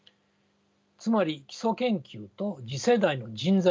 つまり基礎研究と次世代の人材